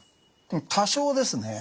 多少ですね。